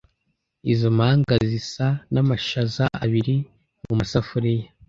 Izo mpanga zisa namashaza abiri mumasafuriya.